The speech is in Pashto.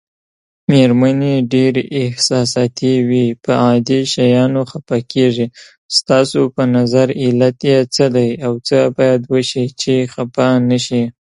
ميرمنې ډيرې احساساتي وي په عادي شيانو خفه کيږي